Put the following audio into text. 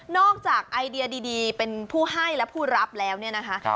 จากไอเดียดีเป็นผู้ให้และผู้รับแล้วเนี่ยนะคะ